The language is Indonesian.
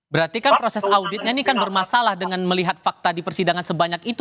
berarti kan proses auditnya ini kan bermasalah dengan melihat fakta di persidangan sebanyak itu